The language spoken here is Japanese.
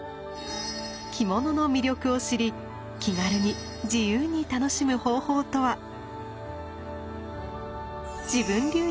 着物の魅力を知り気軽に自由に楽しむ方法とは？